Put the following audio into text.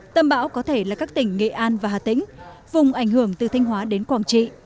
tâm bão có thể là các tỉnh nghệ an và hà tĩnh vùng ảnh hưởng từ thanh hóa đến quảng trị